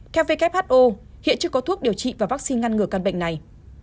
theo who hiện chưa có thuốc điều trị và vaccine ngăn ngừa căn bệnh này